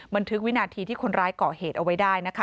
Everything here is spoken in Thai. มันถึงวินาทีที่คนร้ายก่อเหตุเอาไว้ได้